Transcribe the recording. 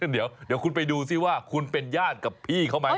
เดี๋ยวคุณไปดูซิว่าคุณเป็นญาติกับพี่เขาไหม